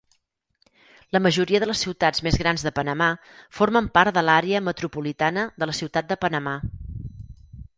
La majoria de les ciutats més grans de Panamà formen part de l'àrea metropolitana de la ciutat de Panamà.